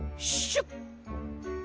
シュッ！